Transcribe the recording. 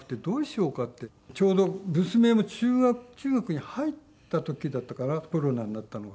ちょうど娘も中学に入った時だったからコロナになったのが。